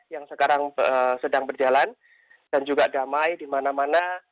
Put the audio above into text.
yang sekarang sedang berjalan dan juga damai di mana mana